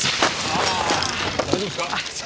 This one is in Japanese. あぁ大丈夫すか？